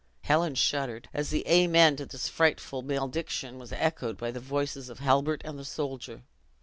Helen shuddered, as the amen to this frightful malediction was echoed by the voices of Halbert and the soldier.